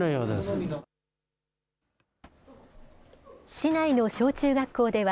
市内の小中学校では、